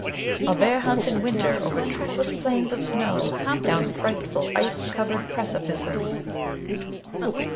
"A bear hunt in winter, over trackless plains of snow, down frightful ice covered precipices."